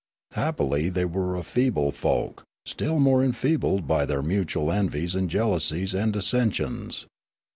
Happily, they were a feeble folk, still more enfeebled by their mutual envies and jeal ousies and dissensions.